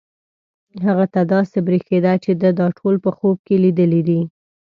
هغه ته داسې برېښېده چې ده دا ټول په خوب کې لیدلي دي.